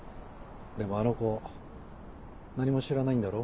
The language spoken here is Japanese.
でもあの子何も知らないんだろ？